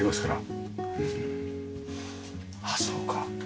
あっそうか。